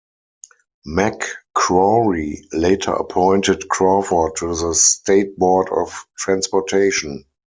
McCrory later appointed Crawford to the state Board of Transportation.